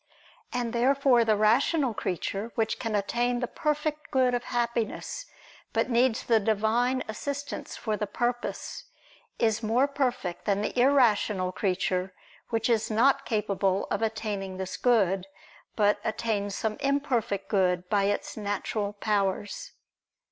And therefore the rational creature, which can attain the perfect good of happiness, but needs the Divine assistance for the purpose, is more perfect than the irrational creature, which is not capable of attaining this good, but attains some imperfect good by its natural powers.